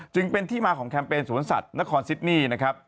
จึงเป็นที่มาของแคมเปญสวนสัตว์นครซิดนี่นะครับ